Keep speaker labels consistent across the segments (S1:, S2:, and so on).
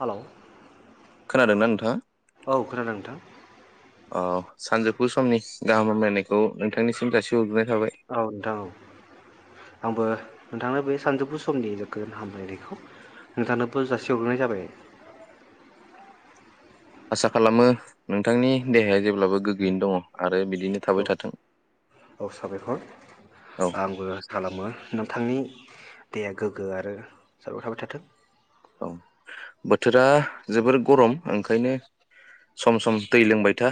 S1: Hello
S2: खोनादों ना नोंथाङा
S1: औ खोनादों नोंथां
S2: औ सानजौफु समनि गाहाम हामलायनायखौ नोंथांनिसिम जासिहरग्रोनाय थाबाय।
S1: औ नोंथां औ आंबो नोंथांनो बे सानजौफु समनि गोजोन हामलायनायखौ नोंथांनोबो जासिहग्रोनाय जाबाय
S2: आसा खालामो नोंथांनि देहाया जेब्लाबो गोगोयैनो दङ आरो बिदिनो थाबाय
S1: औ
S2: थाथों।
S1: औ साबायखर
S2: औ
S1: आंबो आसा खालामो नोंथांनि देहाआ गोग्गो आरो मोजांयै थाबाय थाथों
S2: औ बोथोरा जोबोर गरम ओंखायनो सम सम दै लोंबाय था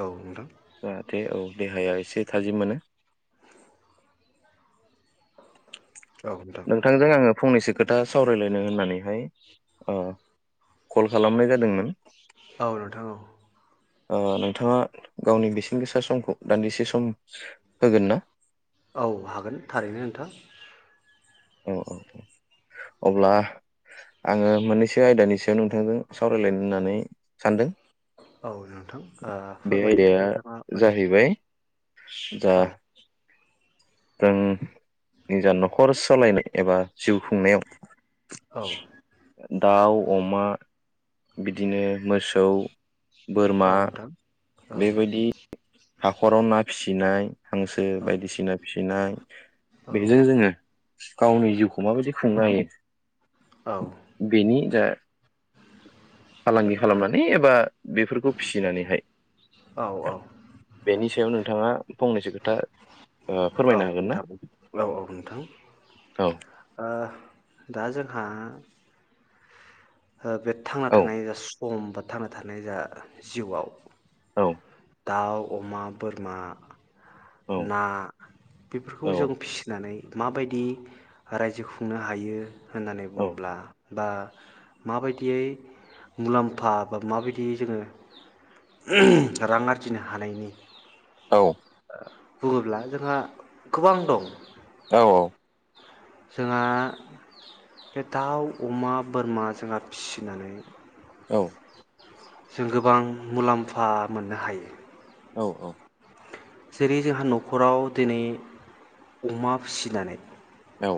S1: औ नोंथां
S2: जाहाथे औ देहाया ए से थाजिम मोनो
S1: औ नोंथां
S2: नोंथांजों आंङो फंनैसो खोथा सावरायलायनो होननानैहाय ओ कल खालामनाय जादोंमोन।
S1: औ नोंथां औ
S2: ओ नोंथाङा गावनि बेसेन गोसा समखौ दान्दिसे सम होगोन ना?
S1: औ हागोन थारैनो नोंथां
S2: औ औ औ अब्ला आङो मोननैसो आयदानि सायाव नोंथांजों सावरायलायनो होननानै सानदों।
S1: औ नोंथां ओ
S2: बे
S1: फोरमायदो
S2: आयदाया
S1: नोंथाङा मानि
S2: जाहैबाय
S1: सायाव औ
S2: जों निजा नखर सलायनो एबा जिउ खुंनायाव
S1: औ
S2: दाउ अमा बिदिनो मोसौ
S1: औ
S2: बोरमा
S1: नोंथां औ
S2: बेबायदि हाखराव ना फिसिनाय हांसो
S1: औ
S2: बायदि सिना फिसिनाय बेदिनो जोङो गावनि जिउखौ माबायदि खुंनो हायो
S1: औ
S2: बेनि जा फालांगि खालामनानै एबा बेफोरखौ फिसिनानैहाय
S1: औ औ
S2: बेनि सायाव नोंथाङा फंनैसो खोथा ओ
S1: औ
S2: फोरमायनो हागोन ना
S1: नोंथां औ औ नोंथां
S2: औ
S1: ओ दा जोंहा ओ बे थांना
S2: औ
S1: थानायनि जा सम बा थांना थानाय जा जिउवाव
S2: औ
S1: दाउ अमा बोरमा
S2: औ
S1: ना
S2: औ
S1: बेफोरखौ जों फिसिनानै माबायदि रायजो खुंनो हायो होननानै
S2: औ
S1: बुङोब्ला बा माबायदियै मुलाम्फा बा माबायदियै जोङो रां आरजिनो हानायनि
S2: औ।
S1: बुङोब्ला जोंहा गोबां दं।
S2: औ औ।
S1: जोंहा बे दाउ अमा बोरमा जोंहा फिसिनानै।
S2: औ।
S1: जों गोबां मुलाम्फा मोननो हायो।
S2: औ औ।
S1: जेरै जोंहा नखराव दिनै अमा फिसिनानै।
S2: औ।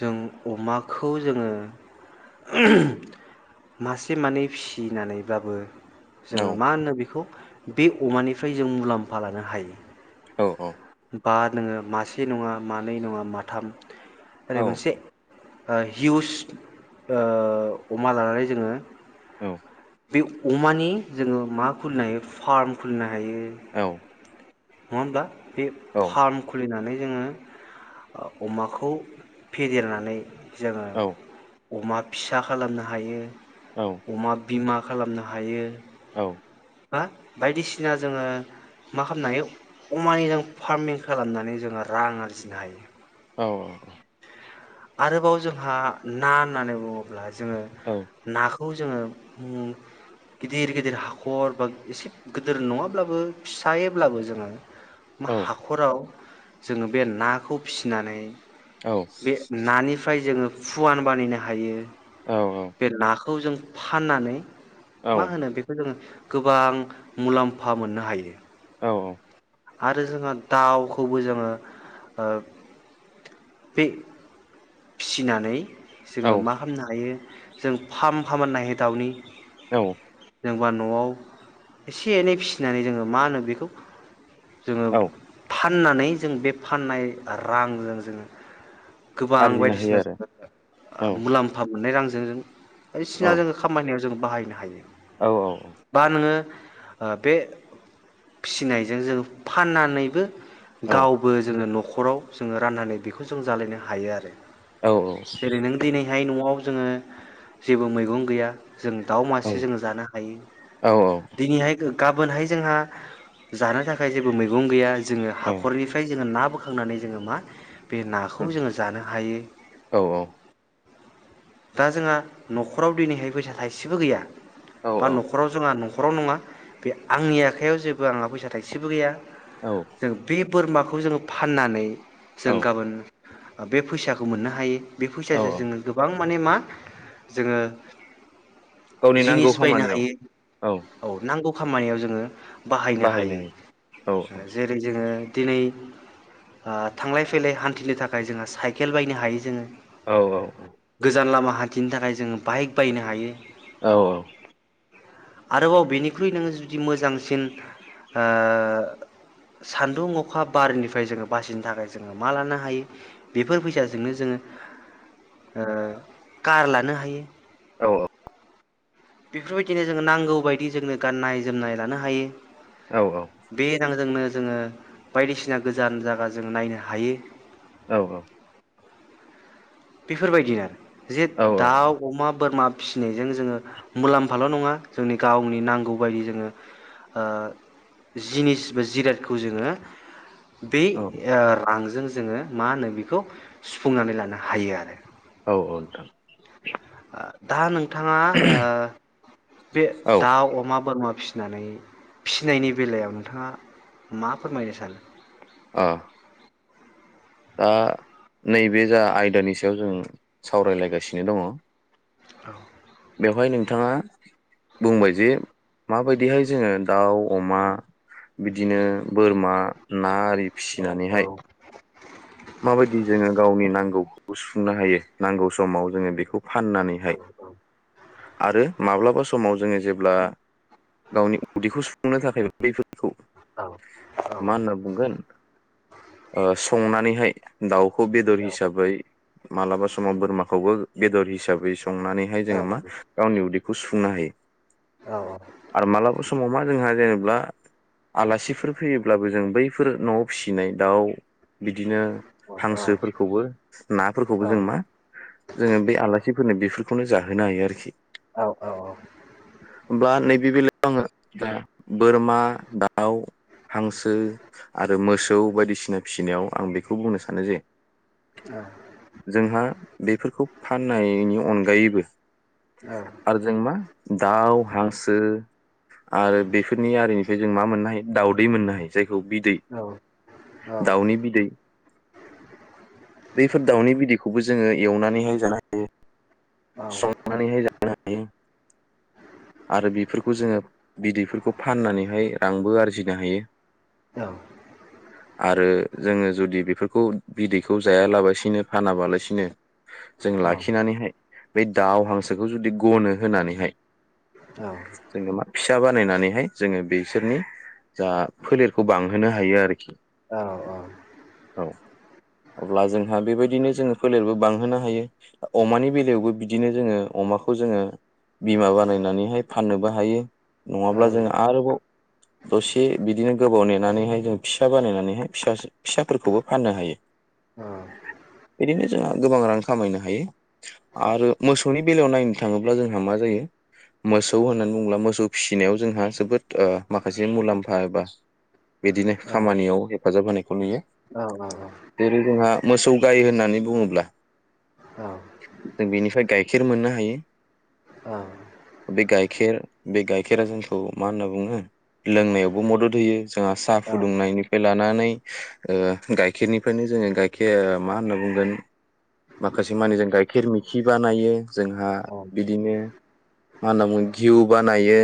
S1: जों अमाखौ जोङो मासे मानै फिसिनानैब्लाबो।
S2: औ
S1: जोङो मा होनो बिख बेखौ बे अमानि फ्राय जों मुलाम्फा लानो हायो
S2: औ औ।
S1: बा नोङो मासे नङा मानै नङा माथाम ओरै
S2: औ
S1: मोनसे ओ हिउस ओं अमा लानानै जोङो
S2: [inaudible]
S1: बे अमानि जोङो मा खुलिनो हायो फार्म खुलिनो हायो।
S2: औ
S1: हायो। नङा होमब्ला। बे फार्म खुलिनानै जों अमाखौ फेदेरनानै जोङो। अमा फिसा खालामनो हायो। उमाद बिमा खालामनो हायो
S2: औ
S1: हो बायदिसिना जोङो मा खालामनो हायो अमानि फार्मिं खालामनानै जोङो रां आरजिनो हायो।
S2: औ औ
S1: आरोबाव जोंहा ना होननानै बुङोब्ला जोङो नाख खौ जोङो ओम गिदिर गिदिर हाखर बा एसे गोदोर नङाब्लाबो फिसायैब्लाबो जोङो मा---हाखराव जोङो बे नाखौ फिसिनानै
S2: औ।
S1: बे नानिफ्राय जोङो फुवान बानायनो हायो।
S2: औ औ।
S1: खौ जों फाननानै मा होनो बेखौ जोङो। गोबां मुलाम्फा मोननो हायो‌।
S2: औ औ।
S1: आरो जोंहा दावखौबो जोङो बे फिसिनानै
S2: औ
S1: जोङो मा खालामनो हायो। जों फार्म खालामनो हायो दाउनि।
S2: औ।
S1: जेनबा न'आव एसे एनै फिसिनानै जोङो मा होनो बेखौ जोङो फाथ फाननानै जों बे फाननाय रांजों जोङो गोबां
S2: आरजिनो हायो
S1: बायदिसिना
S2: आरो
S1: मुलाम्फा मोननाय रांजों जों बायसिना
S2: औ
S1: जो खामानियाव जों बाहायनो हायो
S2: औ
S1: बा नोङो ओ बे फिसिनायजो जों फाननानैबो
S2: औ
S1: गावबो जोङो न' खराव जोङो राननानै बेखौ जों जालायनो हायो आरो दे
S2: औ
S1: जेरै नों दिनैहाय न'आव जोङो जेबो मैगं गैया जों दाउ मासे जोंङो जानो हायो
S2: औ
S1: दिनैहाय गाबोनहाय जोंहा जानो थाखाय जेबो मैगं गैया जोङो हाखरनिफ्राय जोङो ना बोखांनानै जोङो मा बे नाखौ जोङो जानो हायो
S2: औ औ
S1: दा जोंहा न'खराव दिनैहाय फैसा थाइसेबो गैया। बा न'खराव जोंहा न' खराव नङा बे आंनि आखाइायाव जेबो आंहा फैसा थाइसेबो गैया।
S2: औ
S1: जों बे बोरमा खौ जोङो फाननानै
S2: औ
S1: जों गाबोन बे फैसाखौ मोननो हायो। बे
S2: औ
S1: फैसाजो जोङो गोबां माने मा जोङो।
S2: गावनि नांगौ
S1: जिनिस बायनो
S2: खामानियाव
S1: हायो औ नांगौ खामानियाव जोङो। बाहायनो हायो ओ
S2: औ
S1: जेरै जोङो दिनै ओ थांलाय फैलाय हान्थिनो थाखाय जोंहा साइकेल बायनो हायो जोङो।
S2: औ
S1: गोजान लामा हान्थिनो थाखाय जोङो बाइक बायनो हायो।
S2: औ औ।
S1: आरोबाव बेनिख्रुइ नोङो जुदि मोजांसिन ओ सान्दुं अखा बारनिफ्राय जोङो बासिनो थाखाय जोङो मा लानो हायो? बेफोर फैसाजोंनो जोङो ओ कार लानो हायो।
S2: औ औ।
S1: बेफोरबायदिनो जोंङो नांगौ बायदि जोंनो गाननाय जोमनाय लानो हायो।
S2: औ औ
S1: बे रां जोंनो जोङो बायदिसिना गोजान जायगा जों नायनो हायो।
S2: औ औ।
S1: बेफोरबायदिनो आरो। जे
S2: औ
S1: दाउ अमा बोरमाब फिनायजों जोङो मुलाम्फाल नङा जोंनि गावनि नांगौबायदि जोंङो ओ जिनिस बो जिरादखौ जोंङो बे
S2: औ
S1: ओ रांज जों जोंङो मा होनो बेखौ सुफुंनानै लानो ह हायो आरो।
S2: अ अ नोथां।
S1: दा नों थांङा ओ बे
S2: औ
S1: दाउ अमा बोर मा फिनानै फिनायनि बेलायाव नोंथाङा मा फोरमायनो सानो?
S2: ओ। दा नैबे जा आयदानि सायाव जों सावरायलायगासिनो दङ।
S1: औ।
S2: बेवहाय नोंथाङा बुंबाय जे माबायदिहाय जोंङो दाउ अमा बिदिनो बोरमा ना
S1: औ औ
S2: फिसिनानैहाय माबायदि जोंङो गावनि नांगौ खौ सुफुंनो हायो नांगौ समाव जोंङो बेखौ फाननानैहाय
S1: औ औ
S2: आरो माब्लाबा समाव जोंङो जेब्ला गावनि उदैखौ सुफुंनो थाखाय बैफोर
S1: औ
S2: मा होना बुंगोन संनानैहाय दाउ खौ बेदर हिसाबै मालाबा समाव बोरमाखौबो बेदर हिसाबै संनानैहाय
S1: औ
S2: जोंङो मा गावनि उदै बे खौ सुफुंनो हायो
S1: औ
S2: आरो मालाबा समाव मा जोंहा जेनेबा आलासिफोर फैयोब्लाबो जों बैफोर न'आव फिसिनाय दाउ बिदिनो हांसोफोरखौबो नाफोरखौबो जों मा जोंङो बे आलासि फोरनो बेफोरखौनो जा होनो हायो आरोखि
S1: औ औ औ
S2: बे बेलायाव आंङो दा बोरमा दाउ हांसो आरो मोसौ बायदिसिना फिसिनायाव आं बेखौ बुंनो सानो जे जोंहा बेफोरखौ फाननायनि अनगायैबो
S1: औ
S2: आरो जों मा दाउ हांसो आरो बेफोरनि आरिनिफ्राय जों मा मोननो हायो दावदै मोननो हायो जायखि औ बिदै
S1: औ औ
S2: दाउनि बिदै बेफोर दाउनि बिदैखौबो जोङो एवनानैहाय जानो हायो
S1: औ
S2: [unintelligible] आरो बेफोरखौ जोङो बिदैफोरखौ फाननानैहाय रांबो आरजिनो हायो
S1: औ
S2: आरो जोङो जुदि बेफोरखौ बिदैखौ जायालाबसिनो फानाबालासिनो जों लाखिनानैहाय बे दाउ हांसोखौ जुदि गनो होनानैहाय जोंनो मा फिसा बानायनानैहाय जोङो बिसोरनि जा फोलेरखौ बांहोनो हायो आरोखि
S1: औ औ
S2: औ अब्ला जोंहा बेबायदिनो जोङो फोलेरबो बांहोबनो हायो अमानि बेलायावबो बि बिदिनो जोङो अमाखौ जोङो बिमा बानायनानैहाय फाननोबो हायो नङाब्ला जोङो आरोबाव दसे बिदिनो गोबाव नेनानैहाय जों फिसा बानायनानैहाय फिसा-फिसाफोरखौबो फाननो हायो बिदिनो जोंहा गोबां रां खामायनो हायो आरो मोसौनि बेलायाव नायनो थाङोब्ला जोंहा मा जायो मोसौ होननानै बुङोब्ला मोसौ फिसिनायाव जोंहा जोबोद ओ माखासे मुलाम्फा एबा बिदिनो खामानियाव हेफाजाब होनायखौ नुयो।
S1: औ औ औ
S2: जेरै जोंहा मोसौ गाय होननानै बुङोब्ला जों बेनिफ्राय गाइखेर मोननो हायो बे गाइखेर बे गाइखेरा जोंखौ मा होनना बुङो लोंनायावबो मदद होयो। जोंहा साहा फुदुंनायनिफ्राय लानानै ओ गाइखेरनिफ्रायनो जोङो गाइखेर मा होनना बुंगोन माखासे मानि जों गाइखेर मिखिर बानायो जोंहा बिदिनो मा होनना बुङो घिउ बानायो।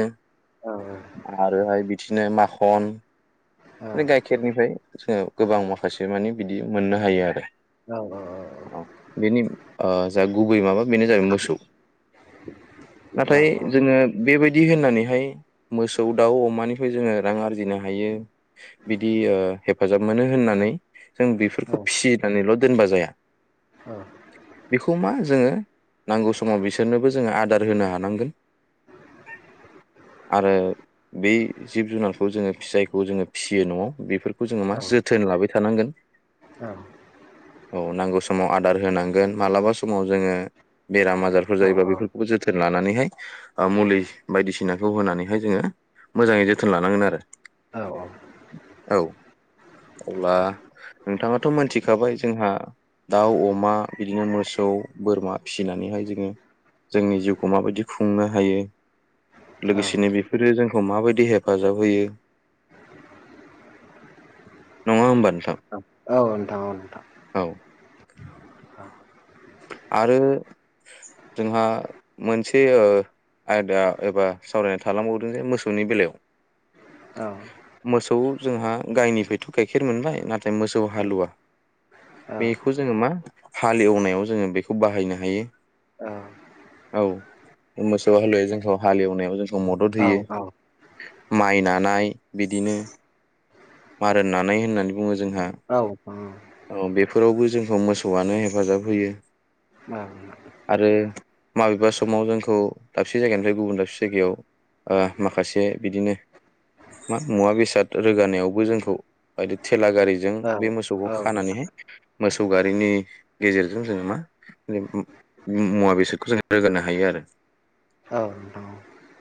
S2: आरोहाय बि बिदिनो माखन बे गाइखेरनिफ्राय जोङो गोबां माखासे मानि बिदि मोननो हायो आरो।
S1: औ औ औ औ
S2: ओ जा गुबै माबा बेनो जाहैबाय मोसौ। नाथाय जोङो बेबायदि होननानै हाय मोसौ दाउ अमानिफ्राय जोङो रां आरजिनो हायो बिदि ओ हेफाजाब मोनो होननानै जों बेफोरखौ
S1: औ
S2: फिसिनानैल दोनबा जाया बेखौ मा जोङो नांगौ समाव बिसोरनोबो जोङो आदार होनो हानांगोन आरो बै जिब जुनारखौ जोङो फिसायखौ जोङो फिसियो न'आव बेफोर खौ जों मा जथोन लाबाय थानांगोन
S1: औ
S2: औ नांगौ समाव आदार होनांगोन मालाबा समाव जोङो बेराम आजारफोर जायोबा बेफोरखौबो जोथोन लानानै हाय ओ मुलि बायदिसिनाखौ होनानैहाय जोङो मोजाङै जोथोन लानांगोन आरो
S1: औ औ
S2: औ अब्ला नोंथाङाथ मोनथिखाबाय जोंहा दाउ अमा बिदिनो मोसौ बोरमा फिसिनानैहाय जोङो जोंनि जिउखौ माबायदि खुंनो हायो लोगोसेनो बेफोरो जोंखौ माबायदि हेफाजाब होयो नङा होनबा नोंथां
S1: औ नोंथां औ
S2: औ आरो जोंहा मोनसे ओ आयदा एबा सावरायनानै थालांबावदों जे मोसौनि बेलायाव।
S1: औ
S2: मोसौ जोंहा गाइनिफ्रायथ गाइखेर मोनबाय नाथाय मोसौ हालुवा
S1: औ
S2: बेखौ जोङो मा हालेवनायाव जोङो बेखौ बाहायनो हायो
S1: औ
S2: औ मोसौ हालुवाया जोंखौ हालेवनायाव मदद होयो माइ नानाय बिदिनो मार नानाय होननानै बुङो जों जोंहा
S1: औ नोंथां
S2: औ बे बेफोरावबो जोंखौ मोसौआनो हेफाजाब होयो
S1: औ
S2: आरो माबेबा समाव जोंखौ दाबसे जायगानिफ्राय गुबुन दाबसे जायगायाव माखासे बिदिनो मा मुवा बेसाद रोगानायावबो जोंखौ बायदि थेला गारि जों बे मोसौखौ
S1: नोंथां
S2: खानानैहाय मोसौ गारिनि गेजेरजों जोङो मा मुवा बेसादखौ जों रोगानो हायो आरो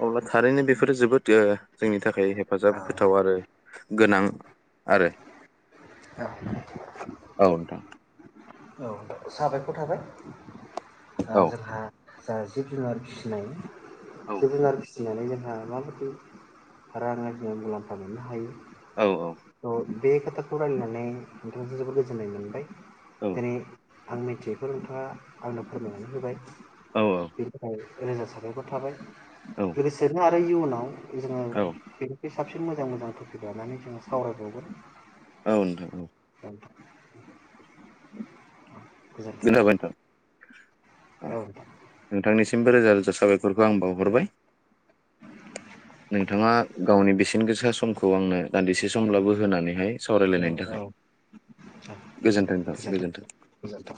S2: अब्ला थारैनो बेफोरो जोबोद जोंनि थाखाय
S1: औ
S2: हेफाजाब होथाव आरो गोनां आरो। औ नोंथां
S1: औ साबायखर थाबाय
S2: औ
S1: जोंहा जिब जुनार फिसिनाय
S2: औ
S1: जिब जुनार फिसिनानै जों माबायदि रां आरजि मुलाम्फा मोननो हायो
S2: औ औ
S1: थ' बे खोथाखौ रायलायनानै नोंथांजों जोबोद गोजोननाय मोनबाय।
S2: औ
S1: दिनै आं मिथियैखौ नोंथाङा आंनो फोरमायनानै होबाय
S2: औ
S1: बिनि थाखायनो रोजा रोजा साबायखर थाबाय
S2: औ
S1: बिसोरनो आरो दा इयुनाव
S2: औ
S1: [unintelligible] बे साबसिन मोजां मोजां टपिक लानानै जोंङो सावरायबावगोन।
S2: ओ नोंथां औ
S1: गोजोनथों नोंथां।
S2: ओ
S1: औ नोंथां
S2: नोंथांनिसिमबो रोजा रोजा साबायखरखौ आं बावहरबाय नोंथांङा गावनि बेसेन गोसा समखौ आंनो दान्दिसे समब्लाबो होनानैहाय
S1: औ
S2: सावरायलायनायनि
S1: औ
S2: थाखाय गोजोन्थों नोंथां गोजोन्थों।
S1: गोजोन्थों